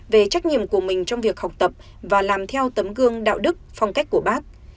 về trách nhiệm của mình trong việc học tập và làm theo tấm gương đạo đức phong cách của bác